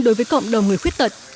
đối với cộng đồng người khuyết tật